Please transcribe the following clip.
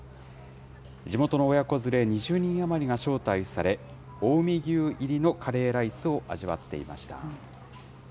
地元親子連れ２０人余りが招待され、近江牛入りのカレーライスを味わっていました。